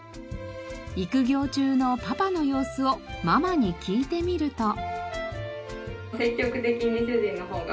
育業中のパパの様子をママに聞いてみると。